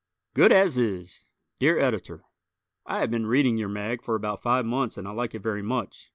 "Good As Is" Dear Editor: I have been reading your mag for about five months and I like it very much.